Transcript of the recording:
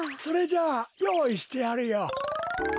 それじゃあよういしてやるよ！